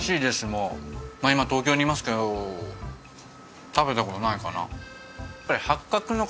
もう今東京にいますけど食べたことないかな